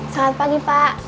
selamat pagi pak